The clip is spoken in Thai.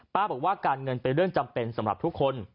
บอกว่าการเงินเป็นเรื่องจำเป็นสำหรับทุกคน